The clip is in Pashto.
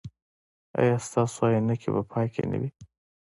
ایا ستاسو عینکې به پاکې نه وي؟